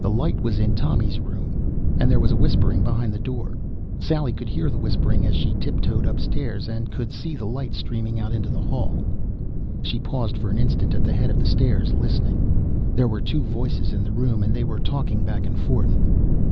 The light was in Tommy's room and there was a whispering behind the door. Sally could hear the whispering as she tiptoed upstairs, could see the light streaming out into the hall. She paused for an instant at the head of the stairs, listening. There were two voices in the room, and they were talking back and forth.